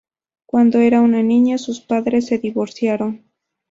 Cuando era una niña, sus padres se divorciaron.